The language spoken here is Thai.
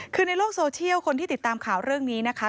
คือในโลกโซเชียลคนที่ติดตามข่าวเรื่องนี้นะคะ